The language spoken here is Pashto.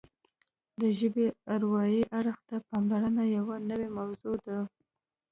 د ژبې اروايي اړخ ته پاملرنه یوه نوې موضوع ده